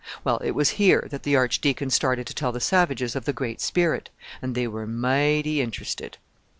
Well, it was here that the Archdeacon started to tell the savages of the Great Spirit and they were mighty interested.